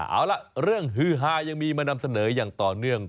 เอาล่ะเรื่องฮือฮายังมีมานำเสนออย่างต่อเนื่อง